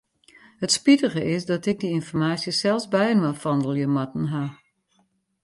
It spitige is dat ik dy ynformaasje sels byinoar fandelje moatten haw.